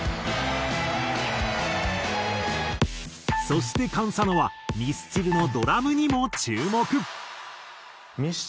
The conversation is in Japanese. そしてＫａｎＳａｎｏはミスチルのドラムにも注目。